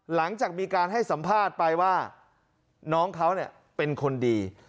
หลังจากมีการให้สัมภาษณ์ไปว่าน้องเขาเป็นคนดี